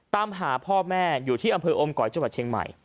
ตามหาพ่อแม่อยู่ที่อำเภออมก๋อยจังหวัดเชียงใหม่